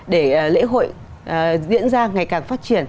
để lễ hội diễn ra ngày càng phát triển